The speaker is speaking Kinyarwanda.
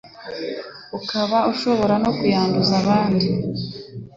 ukaba ushobora no kuyanduza abandi